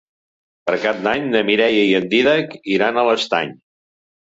Per Cap d'Any na Mireia i en Dídac iran a l'Estany.